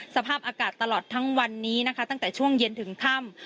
สภาพอากาศตลอดทั้งวันนี้นะคะตั้งแต่ช่วงเย็นถึงค่ำ